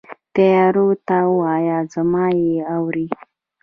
تیارو ته وایه، زمانه یې اورې